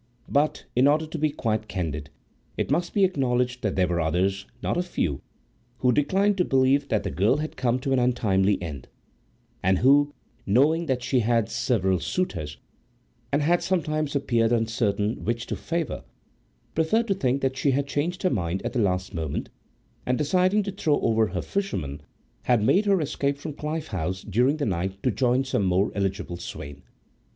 But, in order to be quite candid, it must be acknowledged that there were others, not a few, who declined to believe that the girl had come to an untimely end; and, who, knowing that she had several suitors, and had sometimes appeared uncertain which to favour, preferred to think that she had changed her mind at the last moment, and, deciding to throw over her fisherman, had made her escape from Clyffe House during the night to join some more eligible swain.